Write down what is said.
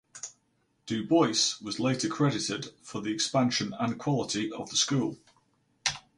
Du Bois was later credited for the expansion and quality of the school.